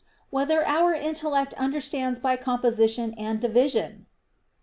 5] Whether Our Intellect Understands by Composition and Division?